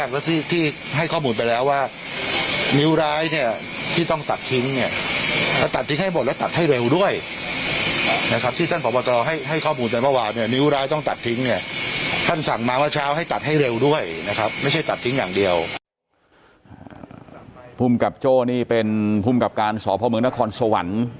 ภูมิกับโจ้นี่เป็นภูมิกับการสพมนครสวรรค์